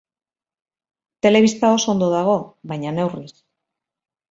Telebista oso ondo dago, baina neurriz.